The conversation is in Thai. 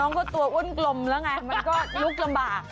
น้องตัวว่นกลมแล้วไงมันก็ลุกลำบาก